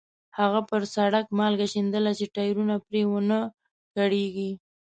هغه پر سړک مالګه شیندله چې ټایرونه پرې ونه کړېږي.